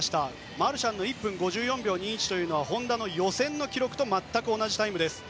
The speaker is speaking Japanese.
マルシャンの１分５４秒２１は本多の予選の記録と全く同じタイムです。